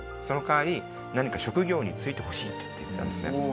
その代わり何か職業に就いてほしいって言ったんですね。